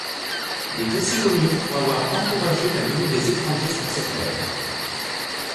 Il est aussi connu pour avoir encouragé la venue des étrangers sur ses terres.